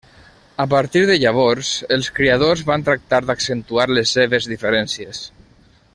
A partir de llavors, els criadors van tractar d'accentuar les seves diferències.